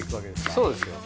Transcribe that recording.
そうですよ。